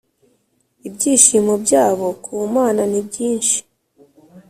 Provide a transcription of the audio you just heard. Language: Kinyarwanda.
ibyishimo byabo ku mana ni byinshi